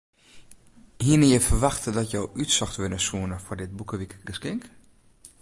Hiene je ferwachte dat jo útsocht wurde soene foar dit boekewikegeskink?